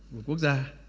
của quốc gia